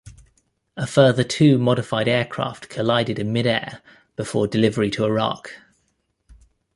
A further two modified aircraft collided in mid-air before delivery to Iraq.